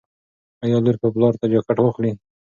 ایا لور به پلار ته جاکټ واخلي؟